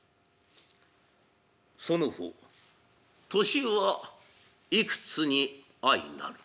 「その方年はいくつに相なる」。